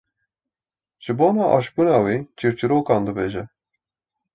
ji bona aşbûna wî çîrçîrokan dibêje.